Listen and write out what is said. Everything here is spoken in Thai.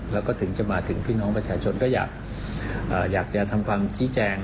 แล้วก็ถึงจะมาถึงพี่น้องประชาชนก็อยากจะทำความชี้แจง